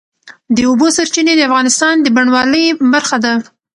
د اوبو سرچینې د افغانستان د بڼوالۍ برخه ده.